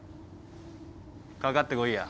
かかってこいや。